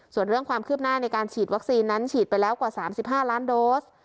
ส่วนเรื่องความคืบหน้าในการฉีดวัคซีนนั้นฉีดไปแล้วกว่า๓๕ล้านโดส